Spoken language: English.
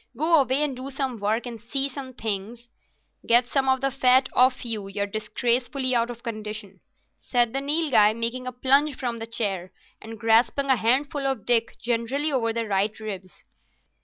Go away and do some work, and see some things." "Get some of the fat off you; you're disgracefully out of condition," said the Nilghai, making a plunge from the chair and grasping a handful of Dick generally over the right ribs.